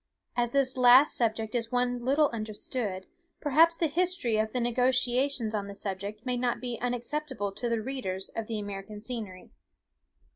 As this last subject is one little understood, perhaps the history of the negotiations on the subject may not be unacceptable to the readers of the AMERICAN SCENERY.